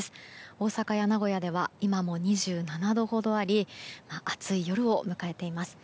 大阪や名古屋では今も２７度ほどあり暑い夜を迎えています。